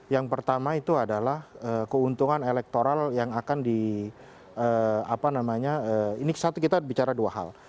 yang pertama itu adalah keuntungan elektoral yang akan di apa namanya ini satu kita bicara dua hal